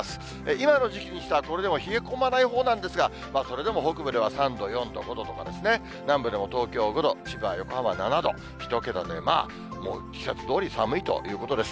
今の時期にしてはこれでも冷え込まないほうなんですが、それでも北部では３度、４度、５度とか、南部でも東京５度、千葉、横浜７度、１桁で、まあ季節どおり寒いということです。